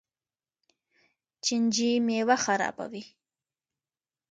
چینجي میوه خرابوي.